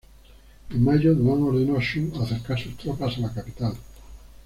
En mayo Duan ordenó a Xu acercar sus tropas a la capital.